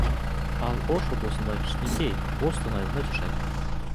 Ал Ош облусундагы кичинекей Бостон айылында жашайт.